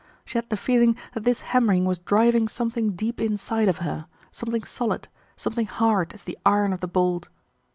She had the feeling that this hammering was driving something deep inside of her, something solid, something hard as the iron of the bolt.